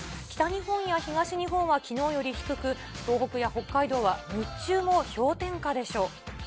北日本や東日本はきのうより低く、東北や北海道は日中も氷点下でしょう。